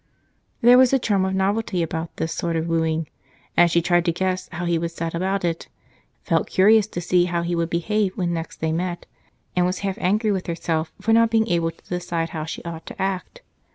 There was the charm of novelty about this sort of wooing, and she tried to guess how he would set about it, felt curious to see how he would behave when next they met, and was half angry with herself for not being able to decide how she ought to act.